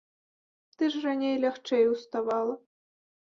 Ты ж раней лягчэй уставала.